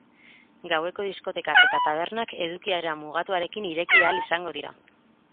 Gaueko diskotekak eta tabernak edukiera mugatuarekin ireki ahal izango dira.